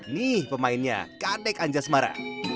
nih pemainnya kadek anjasmara